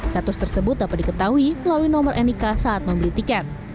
status tersebut dapat diketahui melalui nomor nik saat membeli tiket